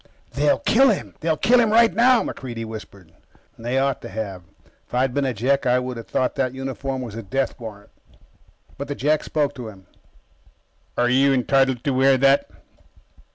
"They'll kill him. They'll kill him right now," MacReidie whispered. They ought to have. If I'd been a Jek, I would have thought that uniform was a death warrant. But the Jek spoke to him: "Are you entitled to wear that?"